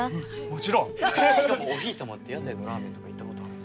もちろん！お姫様って屋台のラーメンとか行ったことあるんですか？